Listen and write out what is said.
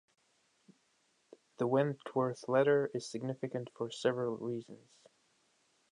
The Wentworth Letter is significant for several reasons.